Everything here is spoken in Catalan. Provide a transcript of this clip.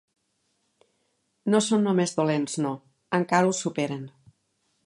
No són només dolents, no, encara ho superen.